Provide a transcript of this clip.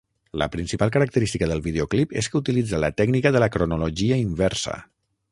La principal característica del videoclip és que utilitza la tècnica de la cronologia inversa.